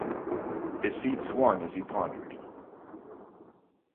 His feet swung as he pondered.